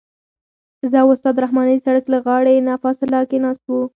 زه او استاد رحماني د سړک له غاړې نه فاصله کې ناست وو.